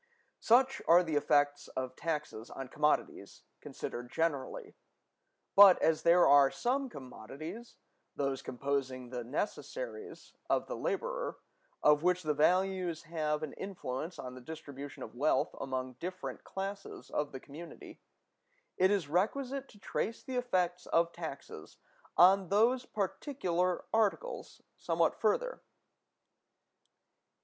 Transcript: Such are the effects of taxes on commodities, considered generally; but, as there are some commodities (those composing the necessaries of the laborer) of which the values have an influence on the distribution of wealth among different classes of the community, it is requisite to trace the effects of taxes on those particular articles somewhat further.